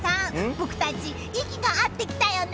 僕たち息が合ってきたよね！